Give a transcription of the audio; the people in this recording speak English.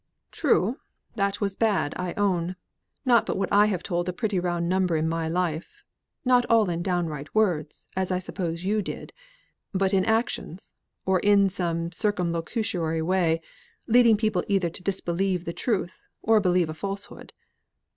"True, that was bad I own; not but what I have told a pretty round number in my life, not all in downright words, as I suppose you did, but in actions, or in some shabby circumlocutory way, leading people either to disbelieve the truth, or believe a falsehood.